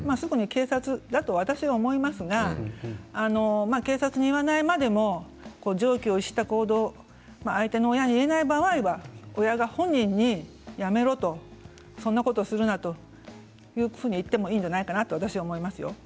警察だと私は思いますが警察に言わないまでも常軌を逸した行動相手に言えない場合は親が本人にやめろとそんなことするなというふうに言ってもいいんじゃないかなと私は思いますよ